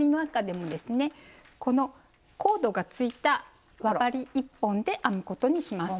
このコードがついた輪針１本で編むことにします。